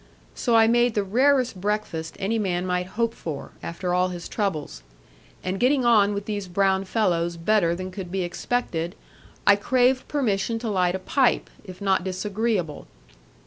So I made the rarest breakfast any man might hope for, after all his troubles; and getting on with these brown fellows better than could be expected, I craved permission to light a pipe, if not disagreeable.